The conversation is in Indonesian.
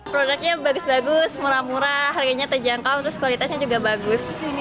produknya bagus bagus murah murah harganya terjangkau terus kualitasnya juga bagus